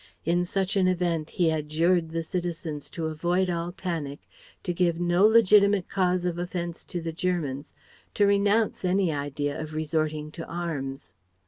In such an event he adjured the citizens to avoid all panic, to give no legitimate cause of offence to the Germans, to renounce any idea of resorting to arms!